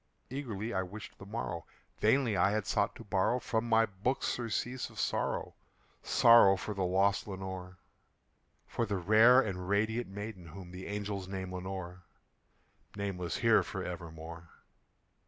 Eagerly I wished the morrow; vainly I had sought to borrow From my books surcease of sorrow sorrow for the lost Lenore For the rare and radiant maiden whom the angels name Lenore Nameless here for evermore.